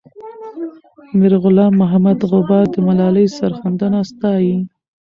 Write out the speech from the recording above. میرغلام محمد غبار د ملالۍ سرښندنه ستايي.